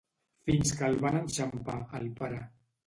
Fins que el van enxampar, el pare.